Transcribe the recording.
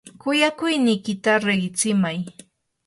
kuyakuynikita riqitsimay.